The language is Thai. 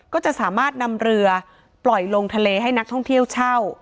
ก็จะสามารถนำเรือปล่อยลงทะเลให้นักท่องเที่ยวเช่า